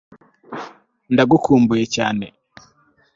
Ndagukumbuye cyane